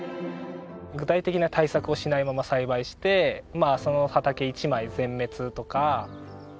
具体的な対策をしないまま栽培してまあその畑一枚全滅とか。